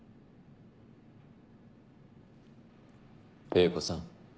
英子さん。